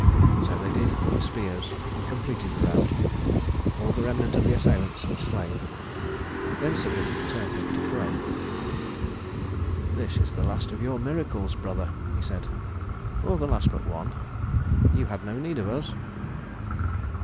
So they did, with spears, and completed the rout. All the remnant of the assailants was slain. Then Sigurd turned him to Frey. "This is the last of your miracles, brother," he said, "or the last but one. You had no need of us."